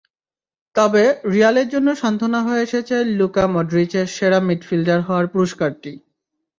তবে রিয়ালের জন্য সান্ত্বনা হয়ে এসেছে লুকা মডরিচের সেরা মিডফিল্ডার হওয়ার পুরস্কারটি।